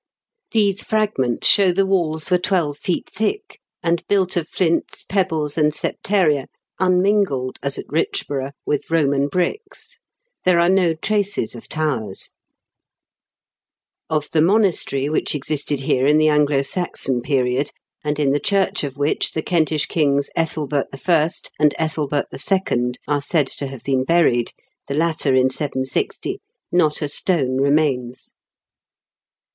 These fragments show the walls were twelve feet thick, and built of flints, pebbles, and septaria, unmingled, as at Richborough, with Roman bricks. There are no traces of towers. Of the monastery which BOMAN REMAINS AT BECULVEB. 299 existed here in the Anglo Saxon period, and in the church of which the Kentish kings, Ethel bert I. and Ethelbert 11. , are said to have been buried, the latter in 760, not a stone remains.